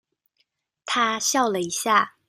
她笑了一下